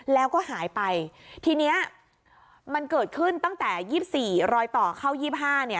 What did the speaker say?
แล้วก็หายไปทีเนี้ยมันเกิดขึ้นตั้งแต่๒๔รอยต่อเข้า๒๕เนี่ย